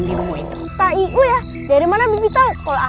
baru nikah udah kena sial